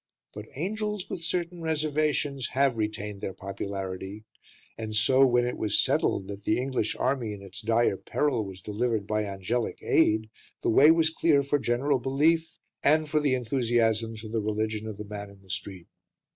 But angels, with certain reservations, have retained their popularity, and so, when it was settled that the English army in its dire peril was delivered by angelic aid, the way was clear for general belief, and for the enthusiasms of the religion of the man in the street.